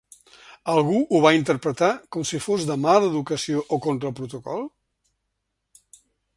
Algú ho va interpretar com si fos de mala educació o contra el protocol?